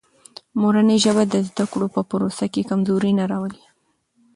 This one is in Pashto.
مورنۍ ژبه د زده کړو په پروسه کې کمزوري نه راولي.